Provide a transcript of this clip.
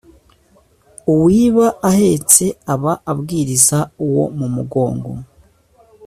Uwiba ahetse aba abwiriza uwo mu mugongo.